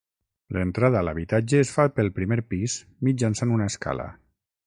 L'entrada a l'habitatge es fa pel primer pis mitjançant una escala.